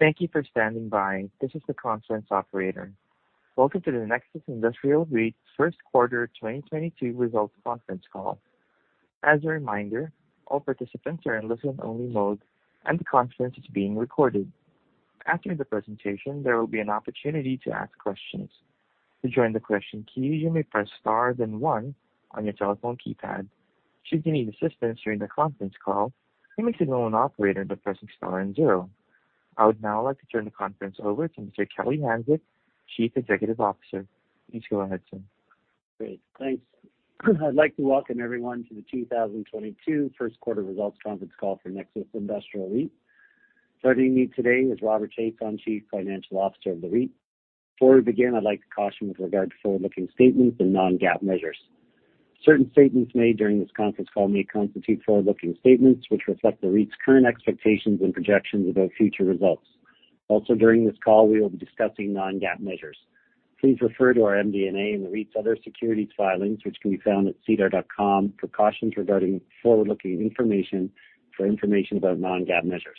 Thank you for standing by. This is the conference operator. Welcome to the Nexus Industrial REIT first quarter 2022 results conference call. As a reminder, all participants are in listen only mode, and the conference is being recorded. After the presentation, there will be an opportunity to ask questions. To join the question queue, you may press star then one on your telephone keypad. Should you need assistance during the conference call, you may signal an operator by pressing star and zero. I would now like to turn the conference over to Mr. Kelly Hanczyk, Chief Executive Officer. Please go ahead, sir. Great. Thanks. I'd like to welcome everyone to the 2022 first quarter results conference call for Nexus Industrial REIT. Joining me today is Robert Chiasson, Chief Financial Officer of the REIT. Before we begin, I'd like to caution with regard to forward-looking statements and non-GAAP measures. Certain statements made during this conference call may constitute forward-looking statements, which reflect the REIT's current expectations and projections about future results. Also, during this call, we will be discussing non-GAAP measures. Please refer to our MD&A and the REIT's other securities filings, which can be found at sedar.com for cautions regarding forward-looking information for information about non-GAAP measures.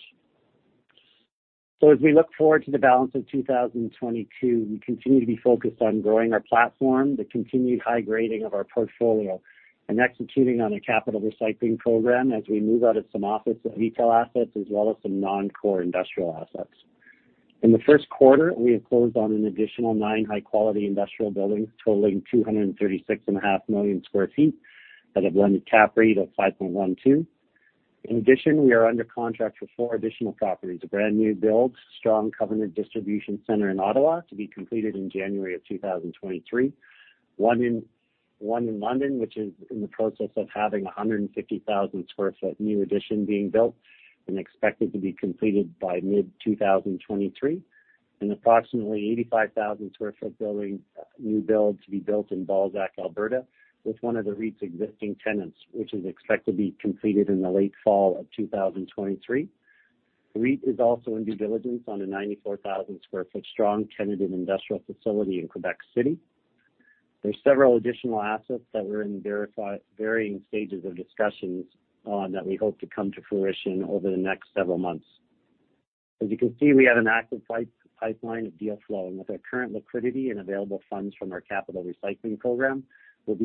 As we look forward to the balance of 2022, we continue to be focused on growing our platform, the continued high grading of our portfolio, and executing on a capital recycling program as we move out of some office and retail assets as well as some non-core industrial assets. In the first quarter, we have closed on an additional nine high-quality industrial buildings totaling 236.5 million at a blended cap rate of 5.12%. In addition, we are under contract for four additional properties, a brand new build, strong covenant distribution center in Ottawa to be completed in January of 2023, one in London, which is in the process of having a 150,000sq ft new addition being built and expected to be completed by mid-2023, and approximately 85,000sq ft building, new build-to-suit to be built in Balzac, Alberta, with one of the REIT's existing tenants, which is expected to be completed in the late fall of 2023. REIT is also in due diligence on a 94,000sq ft strong tenanted industrial facility in Quebec City. There are several additional assets that were in varying stages of discussions, that we hope to come to fruition over the next several months. As you can see, we have an active pipeline of deal flow. With our current liquidity and available funds from our capital recycling program, we'll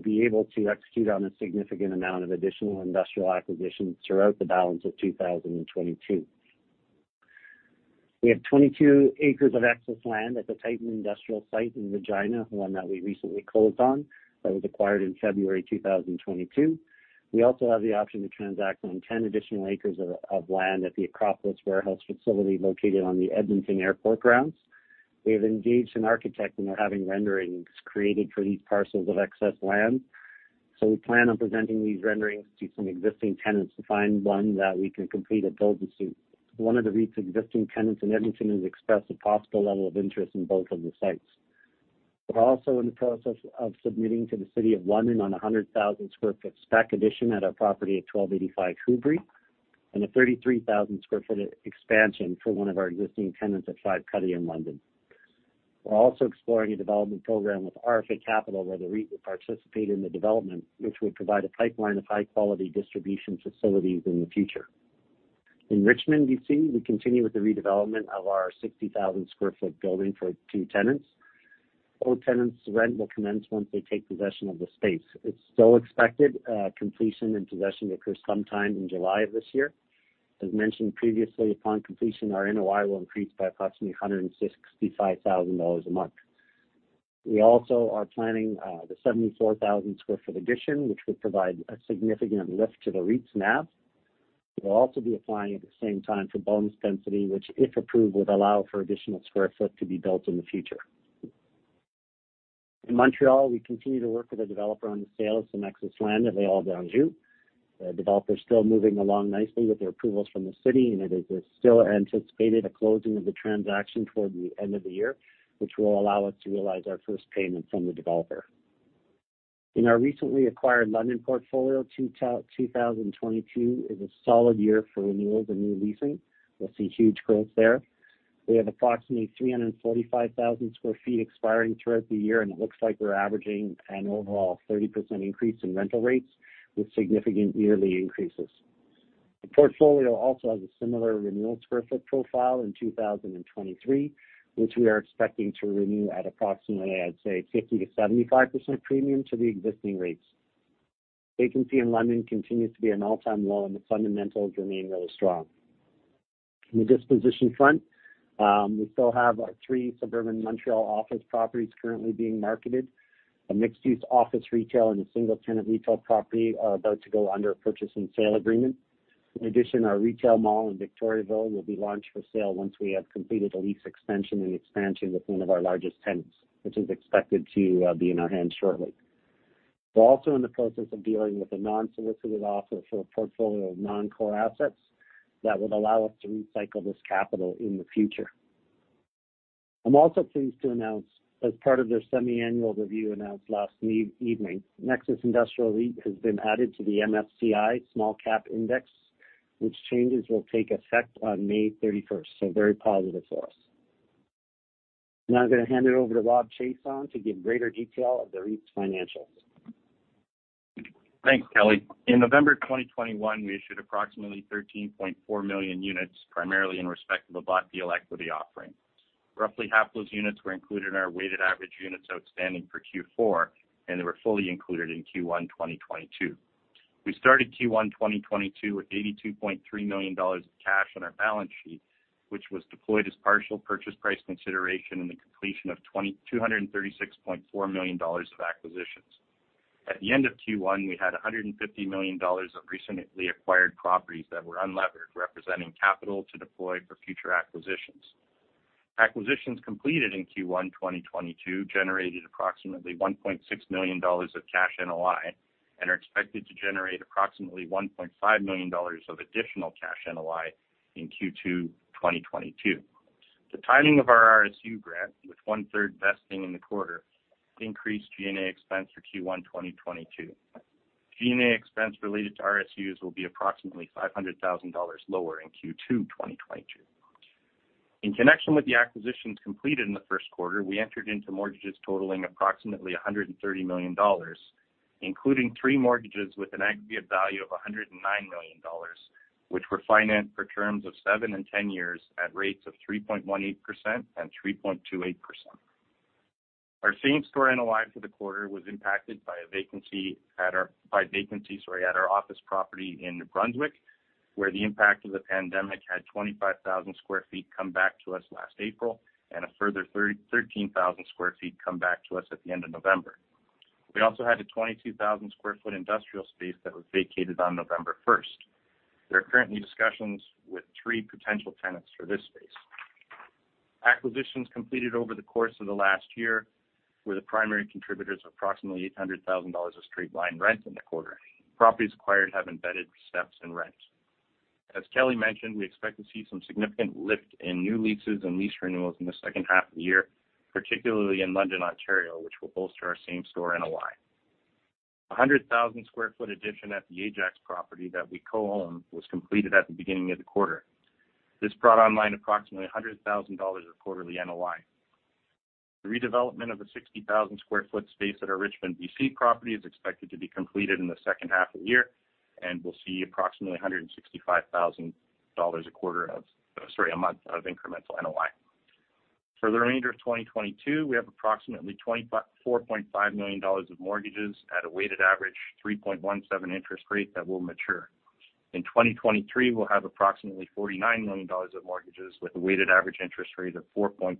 be able to execute on a significant amount of additional industrial acquisitions throughout the balance of 2022. We have 22 acres of excess land at the Titan industrial site in Regina, one that we recently closed on, that was acquired in February 2022. We also have the option to transact on 10 additional acres of land at the Acropolis warehouse facility located on the Edmonton Airport grounds. We have engaged an architect, and they're having renderings created for these parcels of excess land. We plan on presenting these renderings to some existing tenants to find one that we can complete a build-to-suit. One of the REIT's existing tenants in Edmonton has expressed a possible level of interest in both of the sites. We're also in the process of submitting to the city of London on a 100,000sq ft spec addition at our property at 1,285 Hubrey and a 33,000sq ft expansion for one of our existing tenants at 5 Cuddy in London. We're also exploring a development program with RFA Capital, where the REIT will participate in the development, which would provide a pipeline of high-quality distribution facilities in the future. In Richmond, BC, we continue with the redevelopment of our 60,000sq ft building for two tenants. Both tenants' rent will commence once they take possession of the space. It's still expected completion and possession to occur sometime in July of this year. As mentioned previously, upon completion, our NOI will increase by approximately 165,000 dollars a month. We also are planning the 74,000sq ft addition, which would provide a significant lift to the REIT's NAV. We'll also be applying at the same time for bonus density, which, if approved, would allow for additional sq ft to be built in the future. In Montreal, we continue to work with a developer on the sale of some excess land at Ville Saint-Laurent. The developer is still moving along nicely with their approvals from the city, and it is still anticipated a closing of the transaction toward the end of the year, which will allow us to realize our first payment from the developer. In our recently acquired London portfolio, 2022 is a solid year for renewals and new leasing. We'll see huge growth there. We have approximately 345,000sq ft expiring throughout the year, and it looks like we're averaging an overall 30% increase in rental rates with significant yearly increases. The portfolio also has a similar renewal square foot profile in 2023, which we are expecting to renew at approximately, I'd say, 50%-75% premium to the existing rates. Vacancy in London continues to be an all-time low, and the fundamentals remain really strong. On the disposition front, we still have our three suburban Montreal office properties currently being marketed. A mixed-use office retail and a single tenant retail property are about to go under a purchase and sale agreement. In addition, our retail mall in Victoriaville will be launched for sale once we have completed a lease extension and expansion with one of our largest tenants, which is expected to be in our hands shortly. We're also in the process of dealing with an unsolicited offer for a portfolio of non-core assets that would allow us to recycle this capital in the future. I'm also pleased to announce, as part of their semi-annual review announced last evening, Nexus Industrial REIT has been added to the MSCI Small Cap Index, which changes will take effect on May 31st, so very positive for us. Now I'm going to hand it over to Robert Chiasson to give greater detail of the REIT's financials. Thanks, Kelly. In November 2021, we issued approximately 13.4 million units, primarily in respect of a bought deal equity offering. Roughly half those units were included in our weighted average units outstanding for Q4, and they were fully included in Q1 2022. We started Q1 2022 with 82.3 million dollars of cash on our balance sheet, which was deployed as partial purchase price consideration in the completion of 236.4 million dollars of acquisitions. At the end of Q1, we had 150 million dollars of recently acquired properties that were unlevered, representing capital to deploy for future acquisitions. Acquisitions completed in Q1 2022 generated approximately 1.6 million dollars of cash NOI and are expected to generate approximately 1.5 million dollars of additional cash NOI in Q2 2022. The timing of our RSU grant, with one-third vesting in the quarter, increased G&A expense for Q1 2022. G&A expense related to RSUs will be approximately 500,000 dollars lower in Q2 2022. In connection with the acquisitions completed in the first quarter, we entered into mortgages totaling approximately 130 million dollars, including three mortgages with an aggregate value of 109 million dollars, which were financed for terms of seven and ten years at rates of 3.18% and 3.28%. Our same-store NOI for the quarter was impacted by vacancies at our office property in New Brunswick, where the impact of the pandemic had 25,000 sq ft come back to us last April and a further 13,000sq ft come back to us at the end of November. We had a 22,000sq ft industrial space that was vacated on November 1st. There are currently discussions with three potential tenants for this space. Acquisitions completed over the course of the last year were the primary contributors of approximately 800,000 dollars of straight line rent in the quarter. Properties acquired have embedded steps in rent. As Kelly mentioned, we expect to see some significant lift in new leases and lease renewals in the second half of the year, particularly in London, Ontario, which will bolster our same-store NOI. A 100,000sq ft addition at the Ajax property that we co-own was completed at the beginning of the quarter. This brought online approximately 100,000 dollars of quarterly NOI. The redevelopment of the 60,000sq ft space at our Richmond, BC property is expected to be completed in the second half of the year, and we'll see approximately 165,000 dollars a month of incremental NOI. For the remainder of 2022, we have approximately 24.5 million dollars of mortgages at a weighted average 3.17% interest rate that will mature. In 2023, we'll have approximately 49 million dollars of mortgages with a weighted average interest rate of 4.26%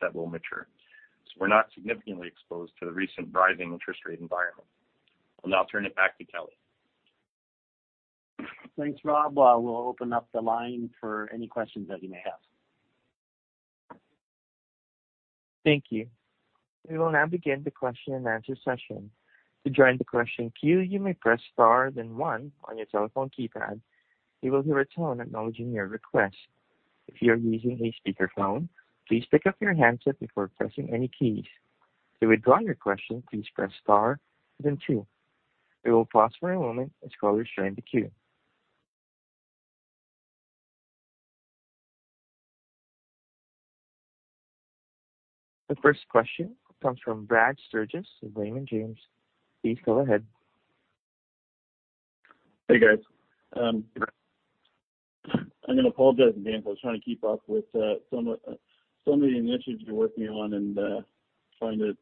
that will mature. We're not significantly exposed to the recent rising interest rate environment. I'll now turn it back to Kelly. Thanks, Rob. We'll open up the line for any questions that you may have. Thank you. We will now begin the question-and-answer session. To join the question queue, you may press star then one on your telephone keypad. You will hear a tone acknowledging your request. If you are using a speakerphone, please pick up your handset before pressing any keys. To withdraw your question, please press star then two. We will pause for a moment as callers join the queue. The first question comes from Brad Sturges of Raymond James. Please go ahead. Hey, guys. I'm gonna apologize in advance. I was trying to keep up with some of so many initiatives you're working on and trying to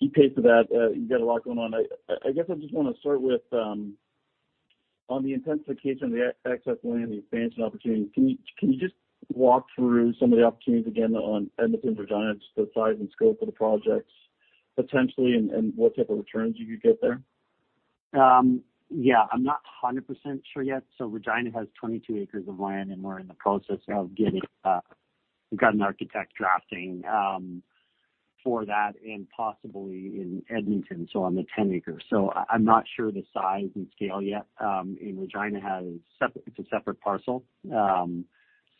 keep pace with that. You've got a lot going on. I guess I just wanna start with on the intensification of the excess land, the expansion opportunity. Can you just walk through some of the opportunities again on Edmonton and Regina, the size and scope of the projects potentially, and what type of returns you could get there? Yeah, I'm not 100% sure yet. Regina has 22 acres of land, and we're in the process of getting, we've got an architect drafting for that and possibly in Edmonton, so on the 10 acres. I'm not sure the size and scale yet. It's a separate parcel.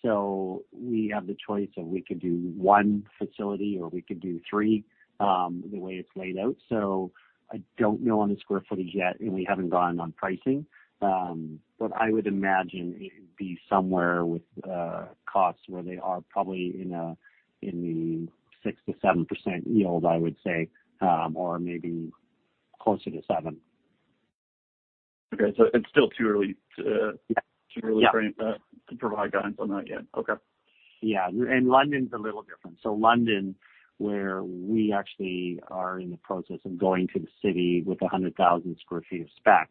We have the choice of we could do one facility or we could do three, the way it's laid out. I don't know on the square footage yet, and we haven't gone on pricing. But I would imagine it would be somewhere with costs where they are probably in a, in the 6%-7% yield, I would say, or maybe closer to 7%. Okay. It's still too early to Yeah. Too early for you to provide guidance on that yet. Okay. Yeah. London's a little different. London, where we actually are in the process of going to the city with 100,000sq ft of spec,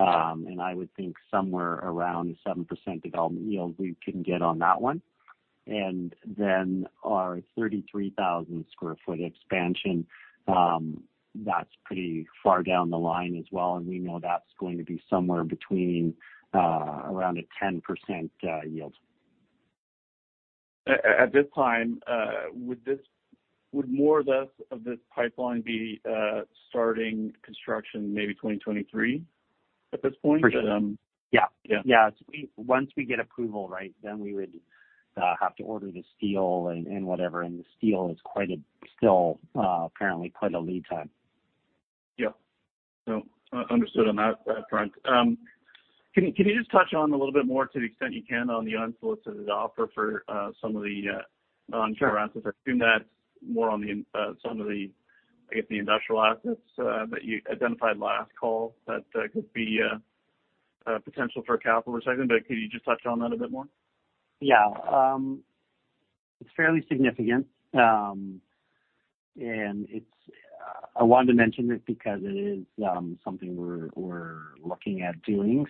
and I would think somewhere around 7% development yield we can get on that one. Our 33,000sq ft expansion, that's pretty far down the line as well, and we know that's going to be somewhere between around a 10% yield. At this time, would more or less of this pipeline be starting construction maybe 2023 at this point? For sure. Yeah. Yeah. Yeah. Once we get approval, right, then we would have to order the steel and whatever. The steel is quite a steal, apparently quite a lead time. Understood on that front. Can you just touch on a little bit more to the extent you can on the unsolicited offer for some of the non-core assets? Sure. I assume that's more on the some of the, I guess, the industrial assets that you identified last call that could be a potential for a capital recycling, but could you just touch on that a bit more? Yeah. It's fairly significant. I wanted to mention it because it is something we're looking at doing.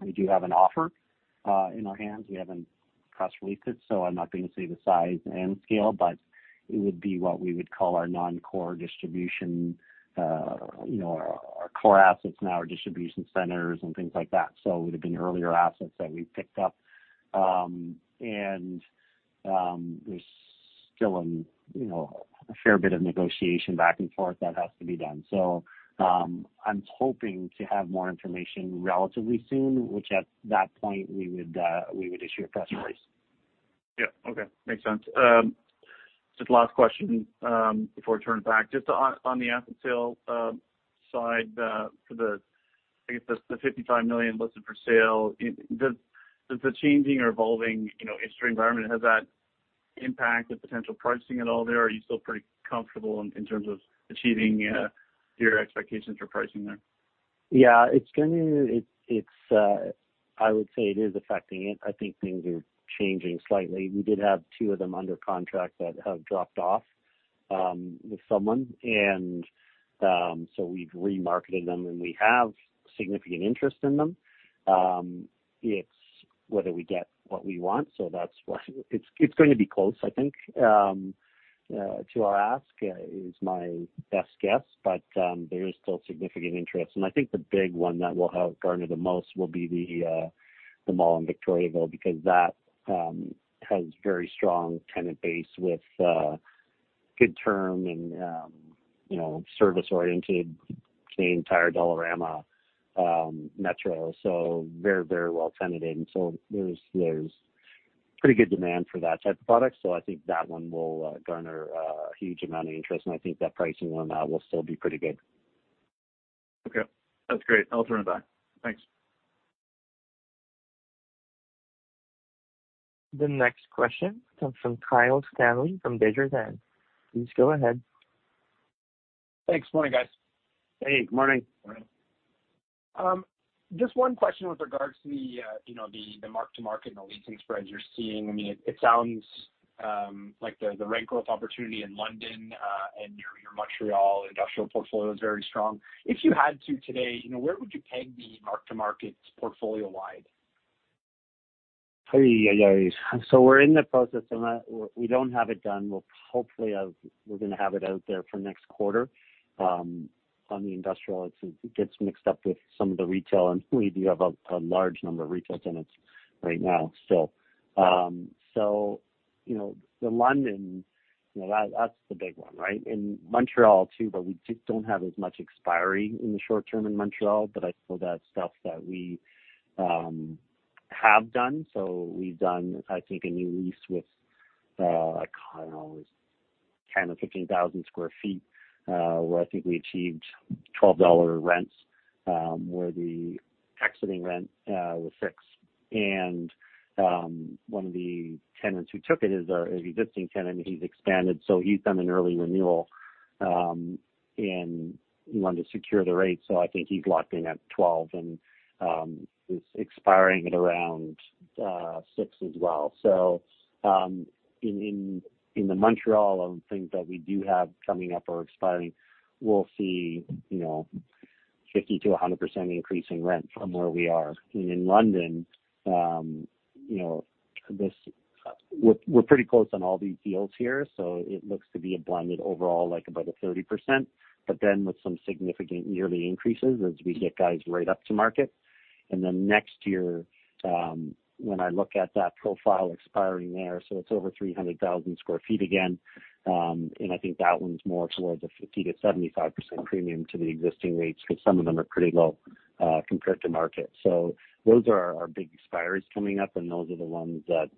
We do have an offer in our hands. We haven't press released it, so I'm not going to say the size and scale, but it would be what we would call our non-core distribution, you know, our core assets and our distribution centers and things like that. It would have been earlier assets that we picked up. There's still, you know, a fair bit of negotiation back and forth that has to be done. I'm hoping to have more information relatively soon, which at that point we would issue a press release. Yeah. Okay. Makes sense. Just last question before I turn it back. Just on the asset sale side for the I guess the 55 million listed for sale. Does the changing or evolving interest rate environment has that impact the potential pricing at all there? Are you still pretty comfortable in terms of achieving your expectations for pricing there? It's affecting it. I think things are changing slightly. We did have two of them under contract that have dropped off with someone. We've remarketed them, and we have significant interest in them. It's whether we get what we want. That's what. It's going to be close, I think, to our ask, is my best guess. There is still significant interest. I think the big one that will help garner the most will be the mall in Victoriaville, because that has very strong tenant base with good term and, you know, service oriented, the entire Dollarama, Metro. Very, very well tenanted. There's pretty good demand for that type of product. I think that one will garner a huge amount of interest, and I think that pricing on that will still be pretty good. Okay. That's great. I'll turn it back. Thanks. The next question comes from Kyle Stanley from Desjardins. Please go ahead. Thanks. Morning, guys. Hey, good morning. Morning. Just one question with regards to the mark-to-market and the leasing spreads you're seeing. I mean, it sounds like the rent growth opportunity in London and your Montreal industrial portfolio is very strong. If you had to today, where would you peg the mark-to-market portfolio-wide? We're in the process and we don't have it done. We'll hopefully have it out there for next quarter. On the industrial, it gets mixed up with some of the retail, and we do have a large number of retail tenants right now still. You know, the London, you know that's the big one, right? In Montreal too, but we just don't have as much expiry in the short term in Montreal. But I still got stuff that we have done. We've done, I think, a new lease with, I don't know, 10,000 or 15,000sq ft, where I think we achieved 12 dollar rents, where the expiring rent was 6. And one of the tenants who took it is our existing tenant, and he's expanded. He's done an early renewal, and he wanted to secure the rate. I think he's locked in at 12% and is expiring at around 6% as well. In Montreal on things that we do have coming up or expiring, we'll see, you know, 50%-100% increase in rent from where we are. In London, you know, we're pretty close on all these deals here, so it looks to be a blended overall, like about a 30%. But then with some significant yearly increases as we get guys right up to market. Next year, when I look at that profile expiring there, it's over 300,000sq ft again. I think that one's more towards a 50%-75% premium to the existing rates, because some of them are pretty low compared to market. Those are our big expiries coming up, and those are the ones that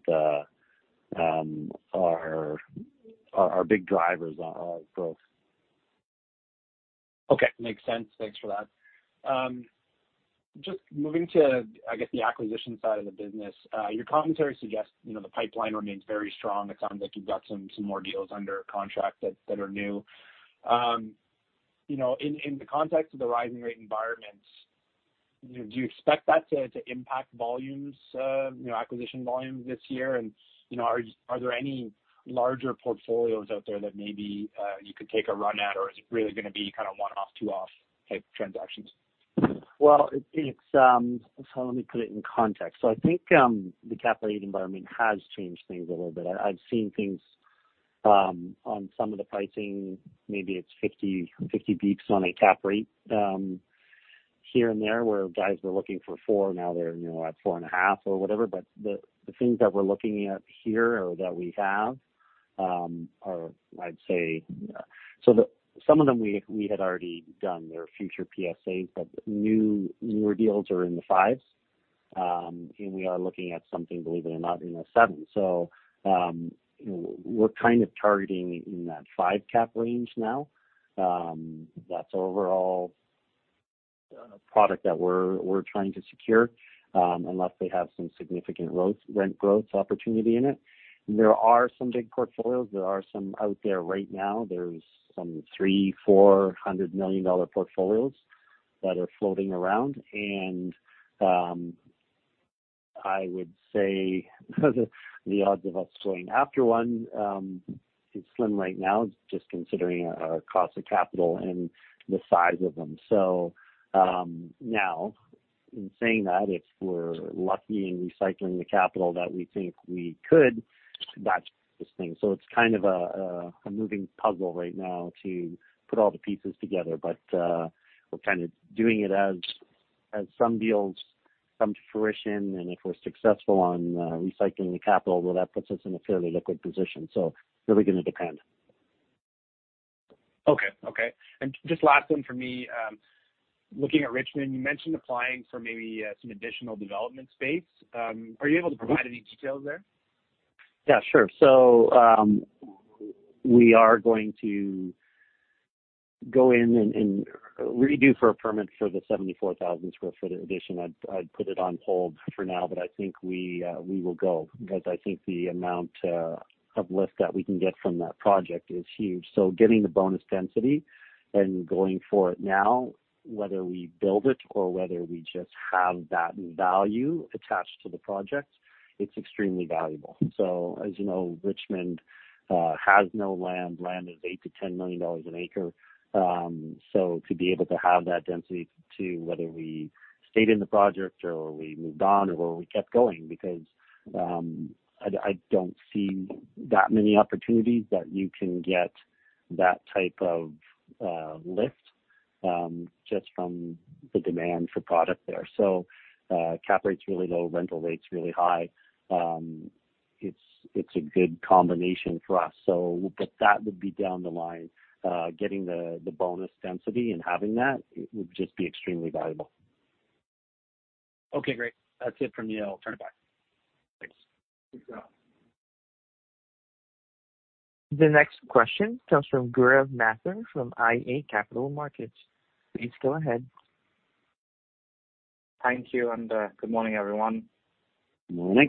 are big drivers of growth. Okay. Makes sense. Thanks for that. Just moving to, I guess, the acquisition side of the business. Your commentary suggests, you know, the pipeline remains very strong. It sounds like you've got some more deals under contract that are new. You know, in the context of the rising rate environment, do you expect that to impact volumes? You know, acquisition volumes this year and, you know, are there any larger portfolios out there that maybe you could take a run at? Or is it really gonna be kind of one-off, two-off type transactions? Well, it's. Let me put it in context. I think the cap rate environment has changed things a little bit. I've seen things on some of the pricing. Maybe it's 50 basis points on a cap rate here and there, where guys were looking for 4%, now they're, you know, at 4.5% or whatever. The things that we're looking at here or that we have are, I'd say, some of them we had already done. There are future PSAs, but newer deals are in the 5s. We are looking at something, believe it or not, in the seven. We're kind of targeting in that 5% cap range now. That's overall product that we're trying to secure unless they have some significant rent growth opportunity in it. There are some big portfolios. There are some out there right now. There's some 300 million-400 million dollar portfolios that are floating around. I would say the odds of us going after one is slim right now, just considering our cost of capital and the size of them. Now in saying that, if we're lucky in recycling the capital that we think we could, that's this thing. It's kind of a moving puzzle right now to put all the pieces together. We're kind of doing it as some deals come to fruition. If we're successful on recycling the capital, well, that puts us in a fairly liquid position. Really going to depend. Okay. Just last one for me, looking at Richmond, you mentioned applying for maybe some additional development space. Are you able to provide any details there? Yeah, sure. We are going to go in and redo for a permit for the 74,000sq ft addition. I've put it on hold for now, but I think we will go because I think the amount of lift that we can get from that project is huge. Getting the bonus density and going for it now, whether we build it or whether we just have that value attached to the project, it's extremely valuable. As you know, Richmond has no land. Land is 8 million-10 million dollars an acre. To be able to have that density, too, whether we stayed in the project or we moved on or we kept going because I don't see that many opportunities that you can get that type of lift just from the demand for product there. Cap rate's really low, rental rate's really high. It's a good combination for us. That would be down the line. Getting the bonus density and having that would just be extremely valuable. Okay, great. That's it from me. I'll turn it back. Thanks. The next question comes from Gaurav Mathur from iA Capital Markets. Please go ahead. Thank you, and good morning, everyone. Good morning.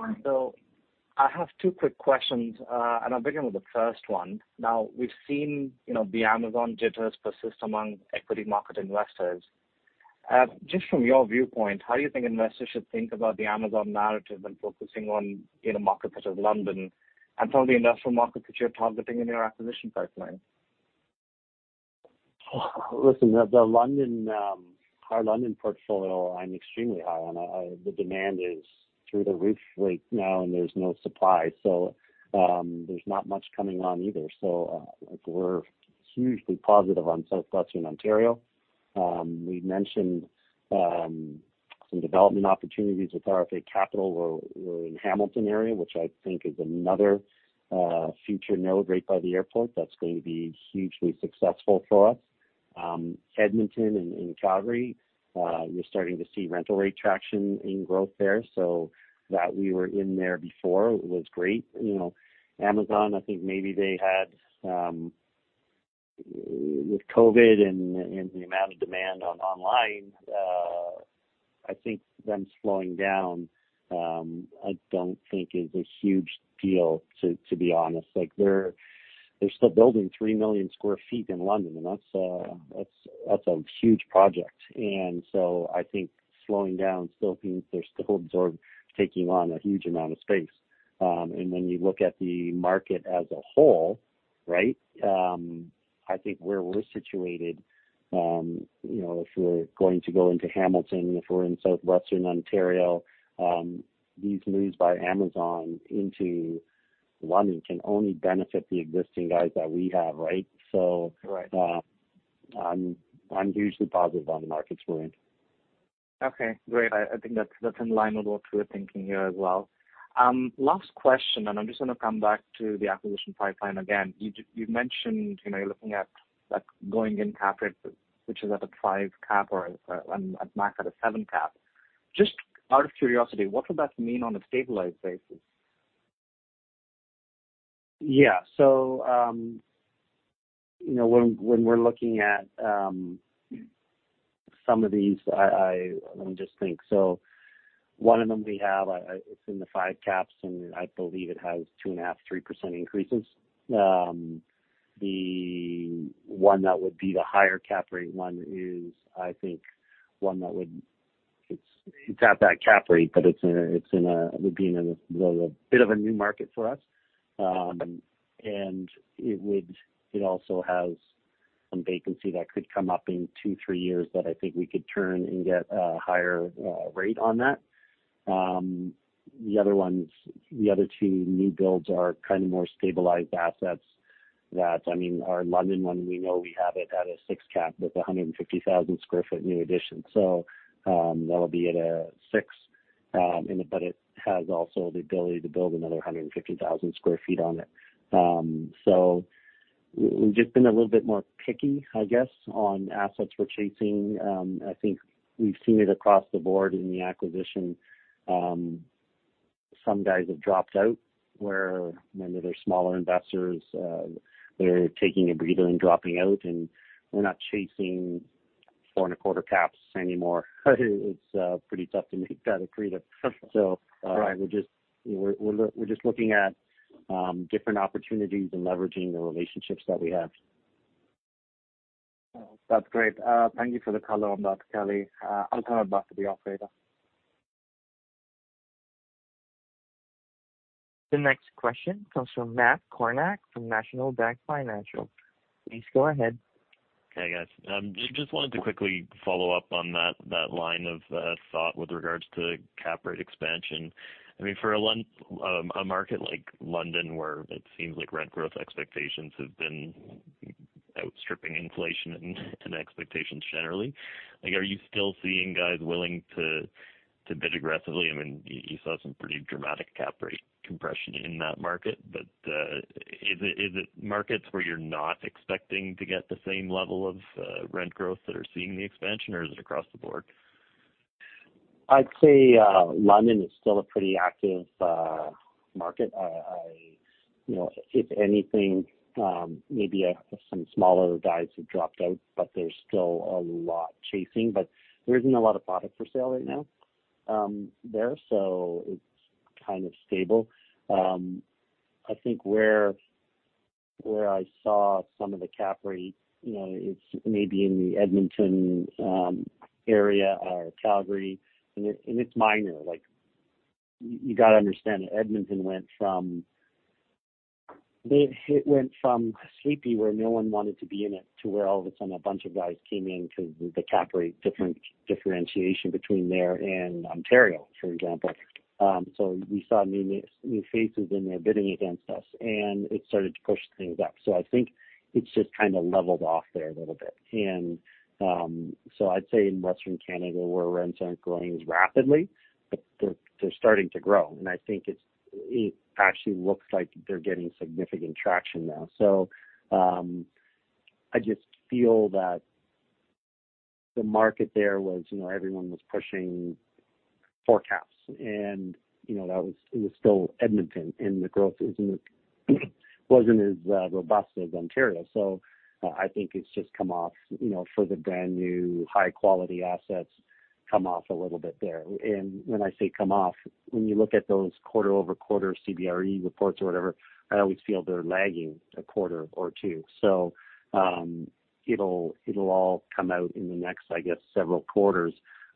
I have two quick questions, and I'll begin with the first one. Now, we've seen, you know, the Amazon jitters persist among equity market investors. Just from your viewpoint, how do you think investors should think about the Amazon narrative and focusing on in a market such as London and some of the industrial markets that you're targeting in your acquisition pipeline? Listen, the London, our London portfolio, I'm extremely high on. The demand is through the roof right now, and there's no supply, so there's not much coming on either. We're hugely positive on Southwestern Ontario. We mentioned some development opportunities with RFA Capital were in Hamilton area, which I think is another future node right by the airport. That's going to be hugely successful for us. Edmonton and Calgary, we're starting to see rental rate traction in growth there. That we were in there before was great. You know, Amazon, I think maybe they had with COVID and the amount of demand on online, I think them slowing down, I don't think is a huge deal, to be honest. Like, they're still building 3 millionsq ft in London, and that's a huge project. I think slowing down still means they're still taking on a huge amount of space. When you look at the market as a whole, right, I think where we're situated, you know, if we're going to go into Hamilton, if we're in Southwestern Ontario, these moves by Amazon into London can only benefit the existing guys that we have. Right? Right. I'm hugely positive on the market's going. Okay, great. I think that's in line with what we're thinking here as well. Last question, I'm just going to come back to the acquisition pipeline again. You mentioned, you know, you're looking at going in cap rate, which is at a 5 cap or at max at a 7 cap. Just out of curiosity, what would that mean on a stabilized basis? Yeah. You know, when we're looking at some of these, let me just think. One of them we have, it's in the 5 cap, and I believe it has 2.5%-3% increases. The one that would be the higher cap rate one is, I think, one. It's at that cap rate, but it's in a bit of a new market for us. It also has some vacancy that could come up in 2-3 years that I think we could turn and get a higher rate on that. The other two new builds are kind of more stabilized assets. I mean, our London one, we know we have it at a 6 cap with a 150,000sq ft new addition. That'll be at a six, but it has also the ability to build another 150,000sq ft on it. We've just been a little bit more picky, I guess, on assets we're chasing. I think we've seen it across the board in the acquisition. Some guys have dropped out where maybe they're smaller investors, they're taking a breather and dropping out, and we're not chasing 4.25 caps anymore. It's pretty tough to make that accretive. We're just looking at different opportunities and leveraging the relationships that we have. That's great. Thank you for the color on that, Kelly. I'll turn it back to the operator. The next question comes from Matt Kornack from National Bank Financial. Please go ahead. Hey, guys. Just wanted to quickly follow up on that line of thought with regards to cap rate expansion. I mean, for a market like London, where it seems like rent growth expectations have been outstripping inflation and expectations generally, like, are you still seeing guys willing to bid aggressively? I mean, you saw some pretty dramatic cap rate compression in that market. But is it markets where you're not expecting to get the same level of rent growth that are seeing the expansion? Or is it across the board? I'd say, London is still a pretty active market. You know, if anything, maybe some smaller guys have dropped out, but there's still a lot chasing. There isn't a lot of product for sale right now, there, so it's kind of stable. I think where I saw some of the cap rate, you know, it's maybe in the Edmonton area or Calgary, and it's minor. Like, you gotta understand that Edmonton went from sleepy, where no one wanted to be in it, to where all of a sudden a bunch of guys came in because the cap rate differentiation between there and Ontario, for example. We saw new faces in there bidding against us, and it started to push things up. I think it's just kind of leveled off there a little bit. I'd say in Western Canada, where rents aren't growing as rapidly, but they're starting to grow, and I think it actually looks like they're getting significant traction now. I just feel that the market there was, you know, everyone was pushing forecasts and, you know, that was it was still Edmonton and the growth wasn't as robust as Ontario. I think it's just come off, you know, for the brand-new high quality assets come off a little bit there. When I say come off, when you look at those quarter-over-quarter CBRE reports or whatever, I always feel they're lagging a quarter or two. It'll all come out in the next, I guess, several quarters.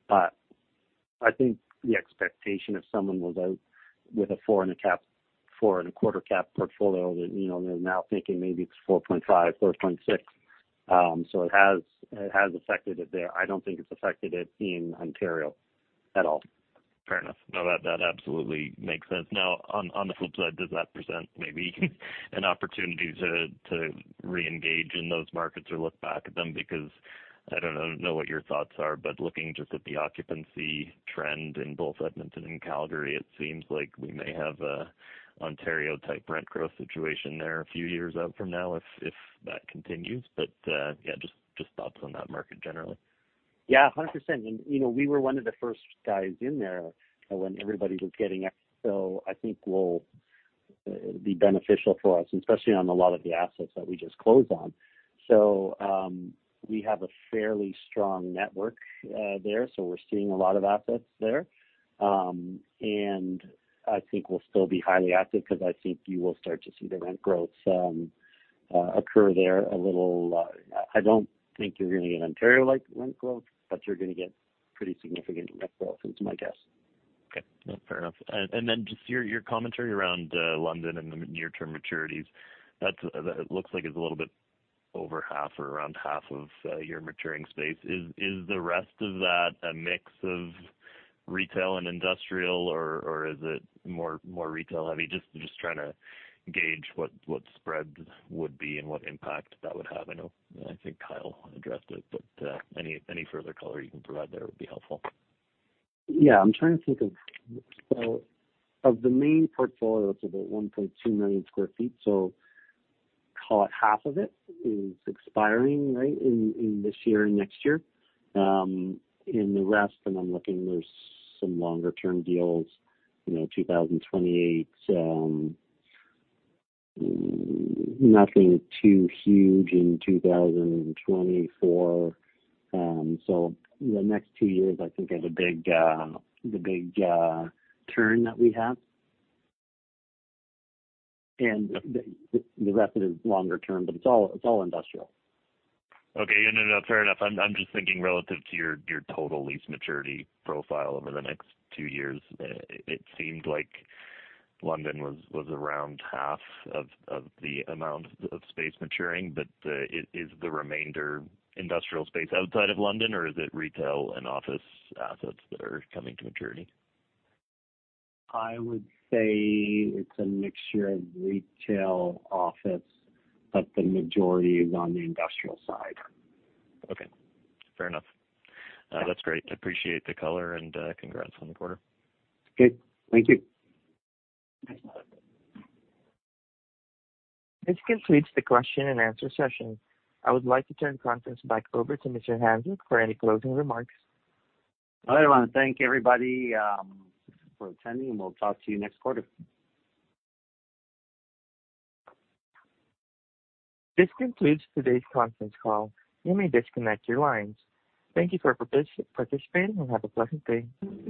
I think the expectation if someone was out with a 4.25 cap portfolio that, you know, they're now thinking maybe it's 4.5, 4.6. It has affected it there. I don't think it's affected it in Ontario at all. Fair enough. No, that absolutely makes sense. Now, on the flip side, does that present maybe an opportunity to reengage in those markets or look back at them? Because I don't know what your thoughts are, but looking just at the occupancy trend in both Edmonton and Calgary, it seems like we may have a Ontario-type rent growth situation there a few years out from now if that continues. Yeah, just thoughts on that market generally. Yeah, 100%. You know, we were one of the first guys in there. I think we'll be beneficial for us, especially on a lot of the assets that we just closed on. We have a fairly strong network there, so we're seeing a lot of assets there. I think we'll still be highly active because I think you will start to see the rent growth occur there a little. I don't think you're gonna get Ontario-like rent growth, but you're gonna get pretty significant rent growth is my guess. Okay. Fair enough. Just your commentary around London and the near-term maturities. It looks like it's a little bit over half or around half of your maturing space. Is the rest of that a mix of retail and industrial, or is it more retail heavy? Just trying to gauge what spreads would be and what impact that would have. I think Kyle addressed it, but any further color you can provide there would be helpful. Yeah, I'm trying to think of. Of the main portfolio, it's about 1.2 million sq ft, so call it half of it is expiring, right, in this year and next year. In the rest, and I'm looking, there's some longer-term deals, you know, 2028s. Nothing too huge in 2024. The next two years, I think, are the big turn that we have. The rest of it is longer term, but it's all industrial. Okay. No, no, fair enough. I'm just thinking relative to your total lease maturity profile over the next two years. It seemed like London was around half of the amount of space maturing. Is the remainder industrial space outside of London, or is it retail and office assets that are coming to maturity? I would say it's a mixture of retail, office, but the majority is on the industrial side. Okay. Fair enough. That's great. Appreciate the color and, congrats on the quarter. Okay. Thank you. This concludes the question and answer session. I would like to turn the conference back over to Mr. Hanczyk for any closing remarks. I wanna thank everybody for attending, and we'll talk to you next quarter. This concludes today's conference call. You may disconnect your lines. Thank you for participating and have a pleasant day.